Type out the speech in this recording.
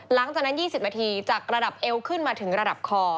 หลังจากนั้น๒๐นาทีจากระดับเอวขึ้นมาถึงระดับคอ